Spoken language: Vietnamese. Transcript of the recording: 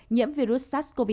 nhiễm virus sars cov hai